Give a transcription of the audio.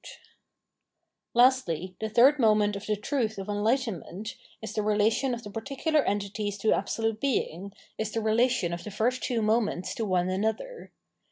568 Phenomenology of Mind Lastly, the third moment of the truth of enhghten ment is the relation of the particular entities to Abso lute Being, is the relation of the first two moments to one another.